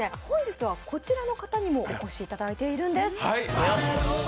本日はこちらの方にもお越しいただいているんです。